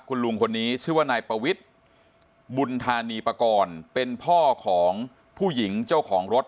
คุณลุงคนนี้ชื่อว่านายปวิทย์บุญธานีปากรเป็นพ่อของผู้หญิงเจ้าของรถ